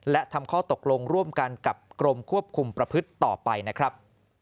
และทำข้อตกลงร่วมกันกับกรมควบคุมประพฤติต่อไปนะครับ